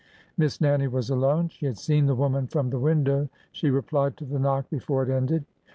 Miss Nannie was alone. She had seen the woman from the window. She replied to the knock before it ended.